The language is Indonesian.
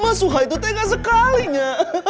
mas suha itu tega sekalinya